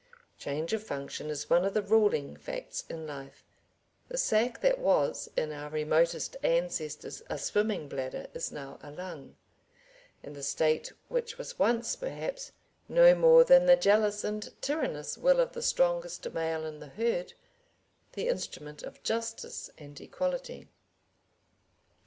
] Change of function is one of the ruling facts in life, the sac that was in our remotest ancestors a swimming bladder is now a lung, and the State which was once, perhaps, no more than the jealous and tyrannous will of the strongest male in the herd, the instrument of justice and equality.